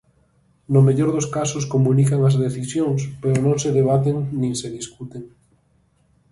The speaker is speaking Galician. "No mellor dos casos comunican as decisións, pero non se debaten nin se discuten".